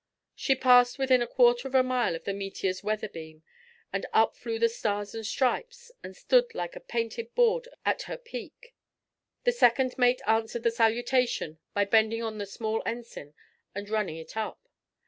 She passed within a quarter of a mile of the Meteor's weather beam, and up flew the stars and stripes and stood like a painted board at her peak. The second mate answered the salutation by bending on the small ensign and running it up.